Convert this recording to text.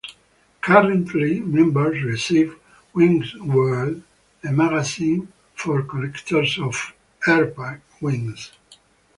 Currently, members receive "WingsWorld", a magazine for collectors of Herpa Wings.